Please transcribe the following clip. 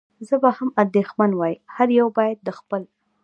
زه به هم اندېښمن وای، هر یو باید د خپل.